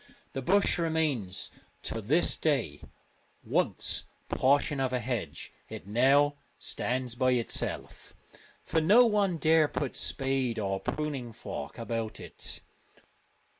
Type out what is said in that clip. The bush remains to this day : once portion of a hedge, it now stands by itself, for no one dare put spade or pruning knife about it.